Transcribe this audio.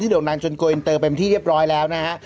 โด่งดังจนโกอินเตอร์เป็นที่เรียบร้อยแล้วนะฮะ